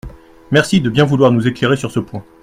Merci de bien vouloir nous éclairer sur ce point.